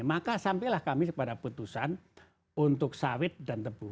maka sampailah kami pada putusan untuk sawit dan tebu